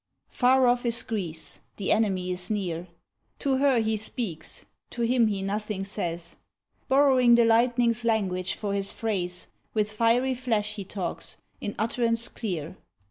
Far off is Greece, the enemy is near ; To her he speaks, to him he nothing says ; Borrowing the lightning's language for his phrase, With fiery flash he talks, in utterance clear.